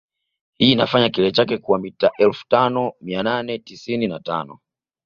Hii inafanya kilele chake kuwa mita elfu tano mia nane tisini na tano